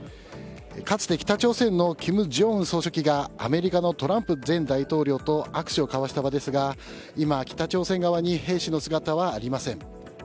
かつて北朝鮮の金正恩総書記がアメリカのトランプ前大統領と握手を交わした場ですが今、北朝鮮側に兵士の姿はありません。